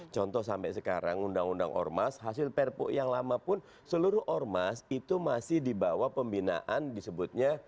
contoh sampai sekarang undang undang ormas hasil perpuk yang lamapun seluruh ormas itu masih dibawa pembinaan disebutnya